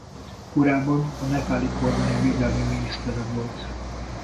Korábban a nepáli kormány védelmi minisztere volt.